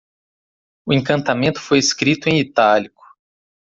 O encantamento foi escrito em itálico.